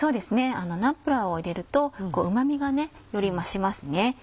ナンプラーを入れるとうまみがより増しますね。